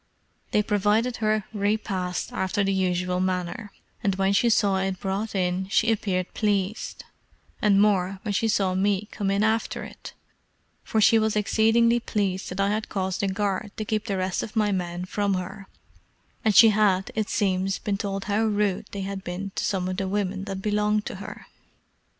They provided her repast after the usual manner, and when she saw it brought in she appeared pleased, and more when she saw me come in after it; for she was exceedingly pleased that I had caused a guard to keep the rest of my men from her; and she had, it seems, been told how rude they had been to some of the women that belonged to her.